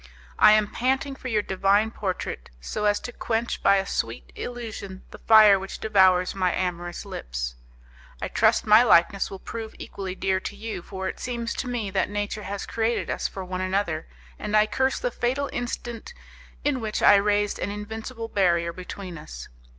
I am panting for your divine portrait, so as to quench by a sweet illusion the fire which devours my amorous lips. I trust my likeness will prove equally dear to you, for it seems to me that nature has created us for one another, and I curse the fatal instant in which I raised an invincible barrier between us.